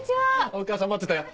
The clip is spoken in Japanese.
お母さん待ってたよ